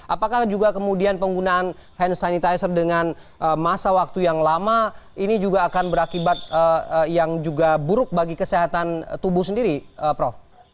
apakah juga kemudian penggunaan hand sanitizer dengan masa waktu yang lama ini juga akan berakibat yang juga buruk bagi kesehatan tubuh sendiri prof